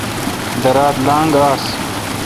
دراتھ لاگ آس۔